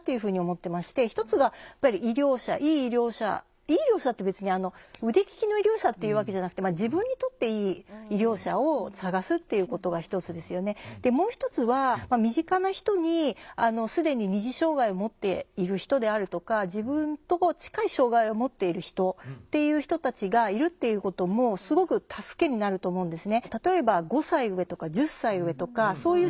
「いい医療者」って別に腕利きの医療者っていうわけじゃなくてでもう一つは身近な人に既に二次障害をもっている人であるとか自分と近い障害をもっている人っていう人たちがいるっていうこともすごく助けになると思うんですね。